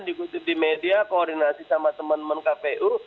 dikutip di media koordinasi sama teman teman kpu